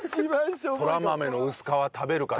そら豆の薄皮食べるか。